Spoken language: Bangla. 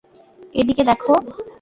এদিকে দেখো?